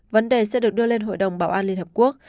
vấn đề sẽ được đưa lên hội đồng bảo an liên hợp quốc